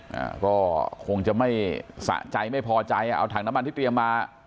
อ่าก็คงจะไม่สะใจไม่พอใจอ่ะเอาถังน้ำมันที่เตรียมมา